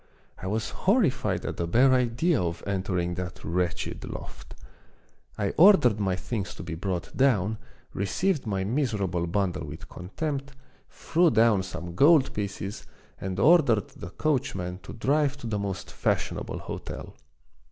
I was horrified at the bare idea of entering that wretched loft. I ordered my things to be brought down, received my miserable bundle with contempt, threw down some gold pieces, and ordered the coachman to drive to the most fashionable hotel.